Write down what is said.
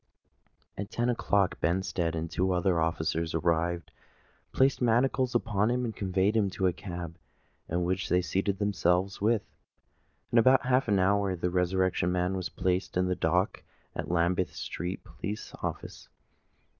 At ten o'clock Benstead and two other officers arrived, placed manacles upon him, and conveyed him to a cab, in which they seated themselves with him. In about half an hour the Resurrection Man was placed in the dock at the Lambeth Street Police Office.